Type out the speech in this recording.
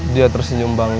dia tersenyum bangga